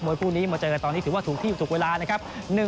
มวยผู้นี้มันจะใกล้ตอนนี้ถือว่าถูกที่ถูกเวลานะครับ